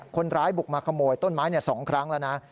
คนร้ายบุกมาขโมยต้นไม้๒ครั้งแล้วนะ